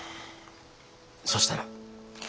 そしたら。